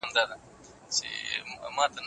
پښتو ته په پوره درناوي سره کار وکړه.